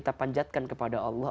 dan kita akan melihatkan kepada allah